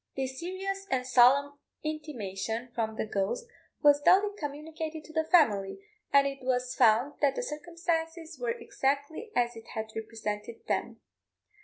This serious and solemn intimation from the ghost was duly communicated to the family, and it was found that the circumstances were exactly as it had represented them.